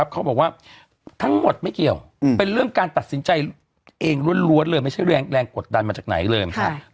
เขาบอกว่าทั้งหมดไม่เกี่ยวเป็นเรื่องการตัดสินใจเองล้วนเลยไม่ใช่แรงกดดันมาจากไหนเลย